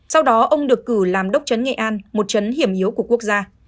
sau đó ông được cử làm đốc chấn nghệ an một chấn hiểm yếu của quốc gia